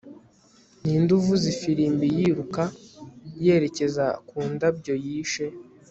ninde uvuza ifirimbi yiruka yerekeza ku ndabyo yishe